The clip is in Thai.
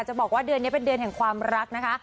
จะบอกว่าเดือนนี้เป็นเดือนแห่งความรักนะคะ